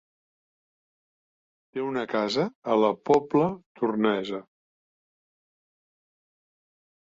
Té una casa a la Pobla Tornesa.